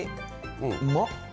うまっ。